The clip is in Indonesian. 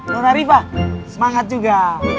nona rifa semangat juga